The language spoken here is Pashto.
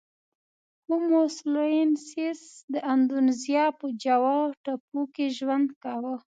هومو سولوینسیس د اندونزیا په جاوا ټاپو کې ژوند کاوه.